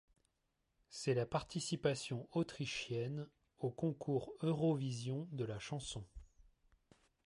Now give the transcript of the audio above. C'est la participation autrichienne au Concours Eurovision de la chanson.